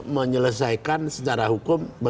menyelesaikan secara hukum